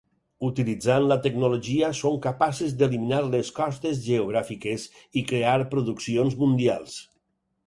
Utilitzant la tecnologia són capaces d'eliminar les costes geogràfiques i crear produccions mundials.